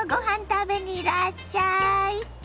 食べにいらっしゃい。